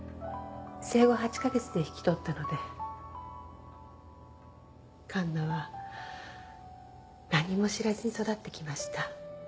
生後８カ月で引き取ったので環奈は何も知らずに育ってきました。